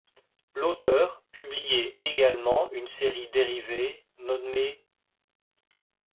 L'auteur publié également une série dérivée nommée '.